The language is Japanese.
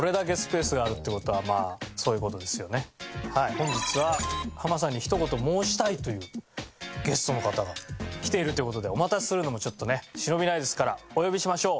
本日はハマさんにひと言申したいというゲストの方が来ているという事でお待たせするのもちょっとね忍びないですからお呼びしましょう！